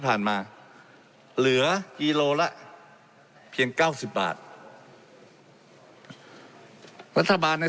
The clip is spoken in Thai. ผ่านมาเหลือกิโลละเพียงเก้าสิบบาทรัฐบาลใน